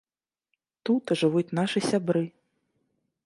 Тут жывуць нашы сябры.